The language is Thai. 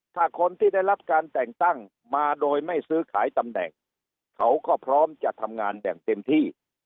ถ้าคนที่ได้รับการแต่งตั้งมาโดยไม่ซื้อขายตำแหน่งเขาก็พร้อมจะทำงานอย่างเต็มที่